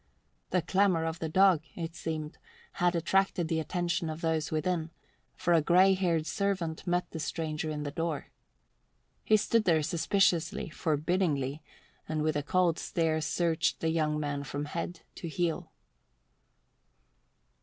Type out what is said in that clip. The clamour of the dog, it seemed, had attracted the attention of those within, for a grey haired servant met the stranger in the door. He stood there suspiciously, forbiddingly, and with a cold stare searched the young man from head to heel.